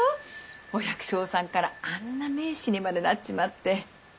お百姓さんからあんな名士にまでなっちまって。